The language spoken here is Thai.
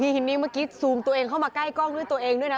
ฮินนี่เมื่อกี้ซูมตัวเองเข้ามาใกล้กล้องด้วยตัวเองด้วยนะ